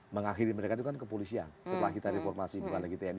mengakhiri mereka itu kan kepolisian setelah kita reformasi bukan lagi tni